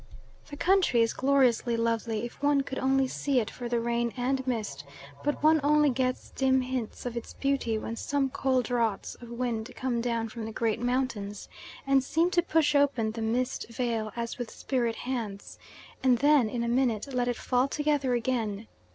The country is gloriously lovely if one could only see it for the rain and mist; but one only gets dim hints of its beauty when some cold draughts of wind come down from the great mountains and seem to push open the mist veil as with spirit hands, and then in a minute let it fall together again.